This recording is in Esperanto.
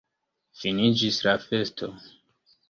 Finiĝis la festo.